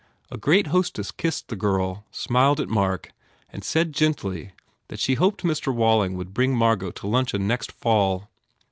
A great hostess kissed the girl, smiled at Mark and said gently that she hoped Mr. Walling would bring Margot to luncheon next fall.